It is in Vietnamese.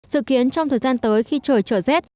dự kiến trong thời gian tới khi trời trở rét